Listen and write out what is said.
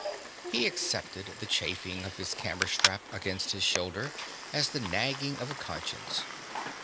He accepted the chafing of his camera strap against his shoulder as the nagging of conscience.